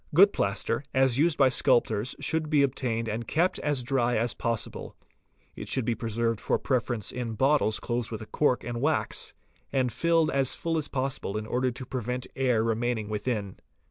Good plaster, as used by sculptors, should be obtained and kept as dry as possible. It should be preserved for preference in bottles closed with a cork and wax, and filled as full as possible in order to prevent air remaining within.